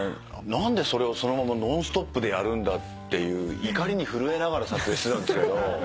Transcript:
何でそれをそのままノンストップでやる？っていう怒りに震えながら撮影してたんですけど。